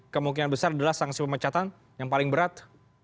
kemungkinan besar adalah sanksi pemecatan yang paling berat